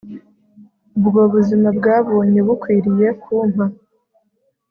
Ubwo buzima bwabonye bukwiriye kumpa